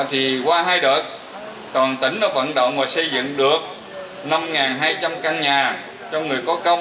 thì qua hai đợt toàn tỉnh đã vận động và xây dựng được năm hai trăm linh căn nhà cho người có công